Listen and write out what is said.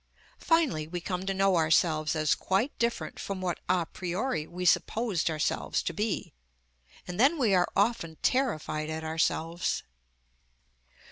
Finally we come to know ourselves as quite different from what a priori we supposed ourselves to be, and then we are often terrified at ourselves.